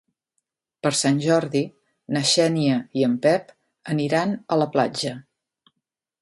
Per Sant Jordi na Xènia i en Pep aniran a la platja.